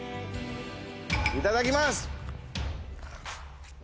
いただきます！